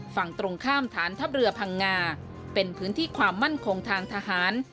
ฝั่งตรงข้ามฐานทัพเรือพังงาเป็นพื้นที่ความมั่นคงทางทหาร